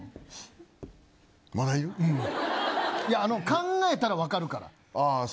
考えたら分かるから。